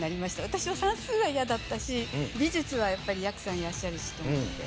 私は算数は嫌だったし美術はやっぱりやくさんいらっしゃるしと思って。